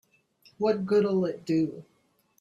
What good'll it do?